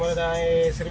kalau dia naik rp dua